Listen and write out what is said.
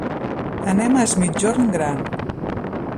Anem a es Migjorn Gran.